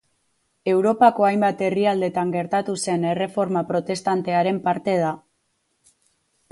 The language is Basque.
Europako hainbat herrialdetan gertatu zen erreforma protestantearen parte da.